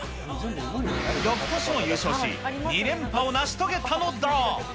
よくとしも優勝し、２連覇を成し遂げたのだ。